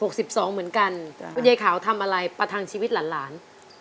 เหมือนกันคุณยายขาวทำอะไรประทังชีวิตหลาน